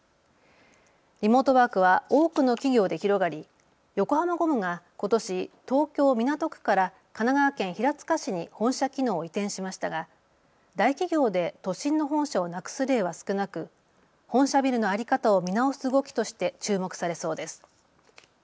リモートワークは多くの企業で広がり、横浜ゴムがことし東京港区から神奈川県平塚市に本社機能を移転しましたが大企業で都心の本社をなくす例は少なく本社ビルの在り方を見直す動きとして注目されそうです。